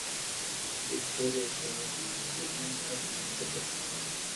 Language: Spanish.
Victoria Eugenia comenzó un aislamiento personal.